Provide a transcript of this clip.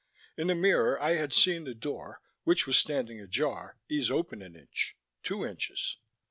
In the mirror I had seen the door, which was standing ajar, ease open an inch, two inches.